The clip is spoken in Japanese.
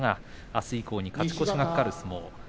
あす以降に勝ち越しが懸かる相撲です。